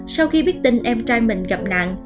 sau khi biết tin em trai mình gặp nạn